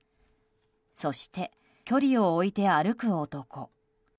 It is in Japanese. そして、距離を置いて歩く男。